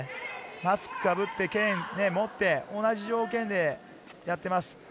マスクかぶって、剣もって、同じ条件でやっています。